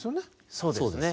そうですね。